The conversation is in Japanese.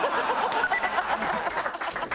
ハハハハ！